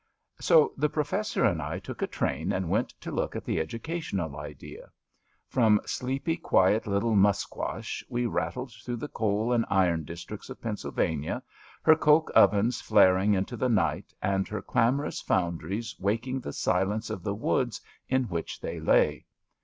So the Professor and I took a train and went to look at the educational idea. From sleepy, CHAUTAUQUAED 167 quiet little Musquash we rattled through the coal and iron districts of Pennsylvania, her coke ovens flaring into the night and her clamorous foundries waking the silence of the woods in which they lay.